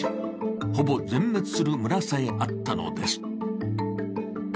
ほぼ全滅する村さえあったのです。